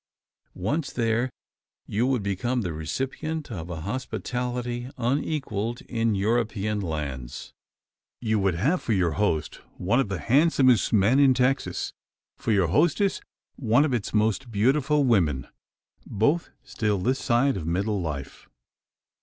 Once there, you would become the recipient of a hospitality, unequalled in European lands. You would have for your host one of the handsomest men in Texas; for your hostess one of its most beautiful women both still this side of middle life.